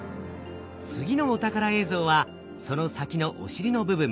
次のお宝映像はその先のお尻の部分。